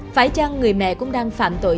phải chăng người mẹ cũng đang phạm tội